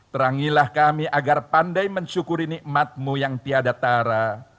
terangilah kami agar pandai mensyukuri nikmatmu yang tiada tara